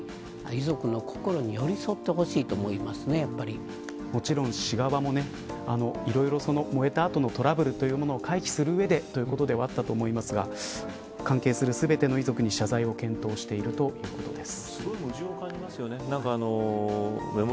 遺族の心に寄り添ってほしいともちろん市側は、いろいろ燃えた後のトラブルを回避する上でということでもあったと思いますが関係する全ての遺族に謝罪を検討しているということです。